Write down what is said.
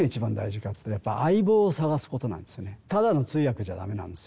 ただの通訳じゃダメなんですよね。